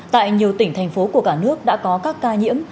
tại nhiều tỉnh thành phố của cả nước đã có các ca nhiễm